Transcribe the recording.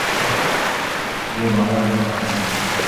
요 망할 강아지.